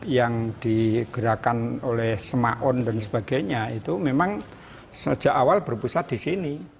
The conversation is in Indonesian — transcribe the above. yang digerakkan oleh semaon dan sebagainya itu memang sejak awal berpusat di sini